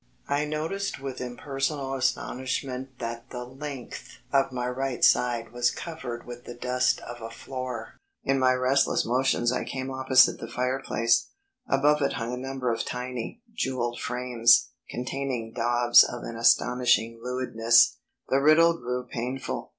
I noticed with impersonal astonishment that the length of my right side was covered with the dust of a floor. In my restless motions I came opposite the fireplace. Above it hung a number of tiny, jewelled frames, containing daubs of an astonishing lewdness. The riddle grew painful.